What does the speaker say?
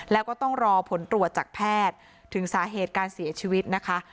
แล้วก็ต้องรอผลตรวจจากแพทย์ถึงสาเหตุการเสียชีวิตนะคะ